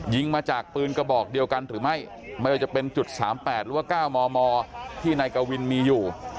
ยิงมาจากปืนกระบอกเดียวกันหรือไม่ไม่ว่าจะเป็นจุด๓๘หรือว่า๙มมที่นายกวินมีอยู่